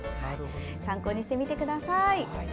参考にしてみてください。